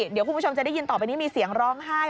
เดี๋ยวคุณผู้ชมจะได้ยินต่อไปนี้มีเสียงร้องไห้